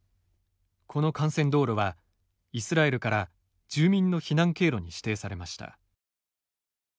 この幹線道路はイスラエルから住民の避難経路に指定されました。